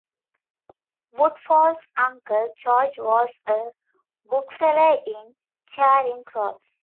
Woodfall's uncle George was a bookseller in Charing Cross.